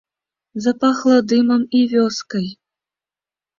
Запахла дымам і вёскай.